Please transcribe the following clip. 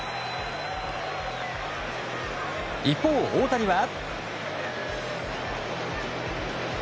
一方、大谷は。